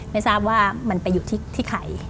ไม่ทราบว่ามันไปอยู่ที่ใคร